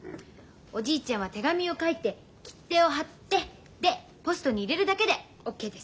おじいちゃんは手紙を書いて切手を貼ってでポストに入れるだけでＯＫです。